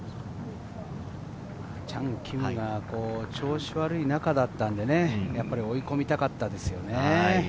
チャン・キムが調子悪い中だったんでね、やっぱり追い込みたかったですよね。